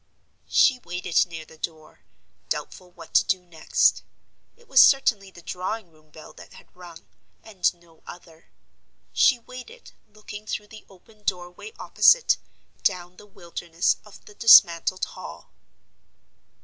She waited near the door, doubtful what to do next; it was certainly the drawing room bell that had rung, and no other. She waited, looking through the open doorway opposite, down the wilderness of the dismantled Hall.